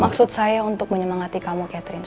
maksud saya untuk menyemangati kamu catherine